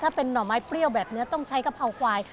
ถ้าเป็นหน่อไม้เปรี้ยวแบบนี้ต้องใช้กะเพราควาย